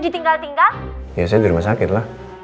ditinggal tinggal ya saya di rumah sakit lah